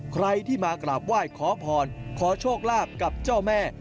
ใครที่มากราบไหว้ขอพรขอโชคลาภกับเจ้าแม่